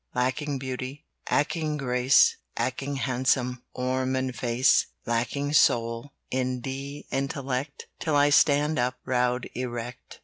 "Lacking beauty, Lacking grace, Lacking handsome Form and face; "Lacking soul And intellect, Still I stand up, Proud, erect.